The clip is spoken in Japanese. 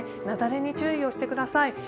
雪崩に注意をしてください。